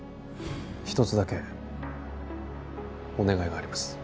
一つだけお願いがあります